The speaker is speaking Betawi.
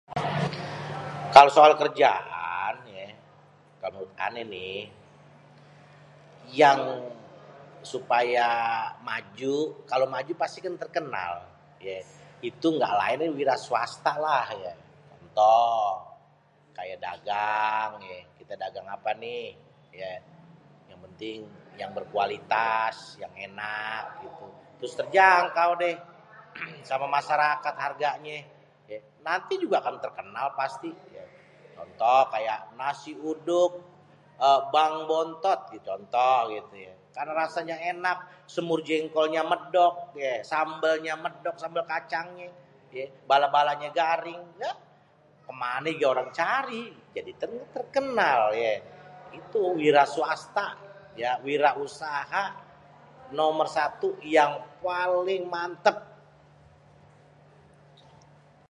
"kalo soal kerjaan yé.. kalo menurut ané nihh.. yang supaya maju, kalo maju kan pasti terkenal yéé.. itu ngga laén wiraswasta lha ya.. contoh kaya dagang yé.. ""kita dagang apa nihh?"" yang penting yang berkualitas yang ènak gitu.. terus terjangkau déh sama masyarakat harganyé.. nanti juga bakal terkenal pasti contoh 'nasi uduk bang bontot' contoh gitu yé.. kalo nasinya ènak, semur jengkolnya mèdok, sambelnya mêdok sambêl kacangnyé, bala-balanya garing.. dahh kemana juga orang cari.. jadi terkenal yéé.. itu wiraswasta yé wirausaha nomor satu yang paling mantep.."